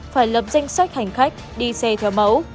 phải lập danh sách hành khách đi xe theo mẫu